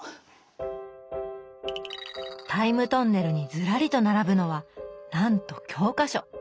タイムトンネルにずらりと並ぶのはなんと教科書。